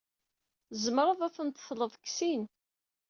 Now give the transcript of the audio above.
Tzemred ad ten-tled deg sin.